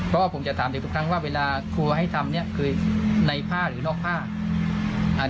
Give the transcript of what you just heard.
เพราะผมจะถามเด็กทุกครั้งว่าเวลาครูให้ทำคือในภาพหรือนอกภาพ